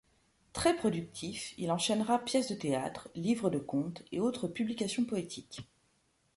Très productif, il enchaînera pièces de théâtre, livres de contes et autres publications poétiques.